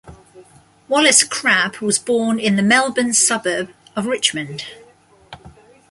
Wallace-Crabbe was born in the Melbourne suburb of Richmond.